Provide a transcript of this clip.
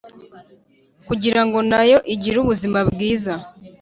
kugira ngo na yo agire ubuzima bwiza.